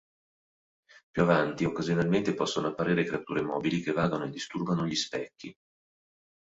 Più avanti, occasionalmente possono apparire creature mobili che vagano e disturbano gli specchi.